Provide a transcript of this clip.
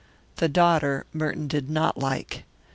The daughter Merton did not like.